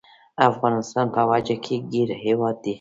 افغانستان په وچه کې ګیر هیواد دی.